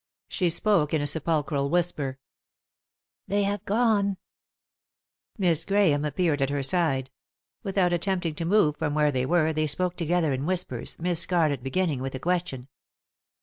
She spoke in a sepulchral whisper. "They have gone." 3i 9 iii^d by Google THE INTERRUPTED KISS Miss Grahame appeared at her side. Without attempting to move from where they were they spoke together in whispers, Miss Scarlett beginning with a question.